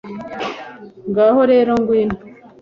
ngaho rero ngwino